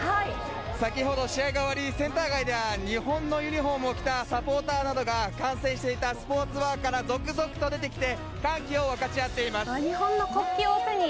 先ほど試合が終わりセンター街では日本のユニホームを着たサポーターなどが観戦していたスポーツバーから続々と出てきて日本の国旗を背に。